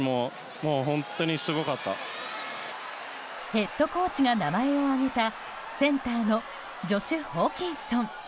ヘッドコーチが名前を挙げたセンターのジョシュ・ホーキンソン。